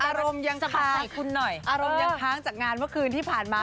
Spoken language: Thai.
อารมณ์ยังค้างจากงานเมื่อคืนที่ผ่านมา